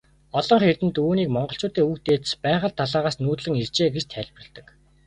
Олонх эрдэмтэд үүнийг монголчуудын өвөг дээдэс Байгал далайгаас нүүдэллэн иржээ гэж тайлбарладаг.